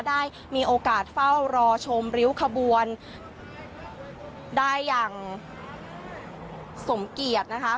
ได้มีโอกาสเฝ้ารอชมริ้วขบวนได้อย่างสมเกียรตินะคะ